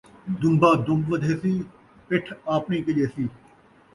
دن٘بہ دُن٘ب ودھیسی ، پِٹھ آپݨی کڄیسی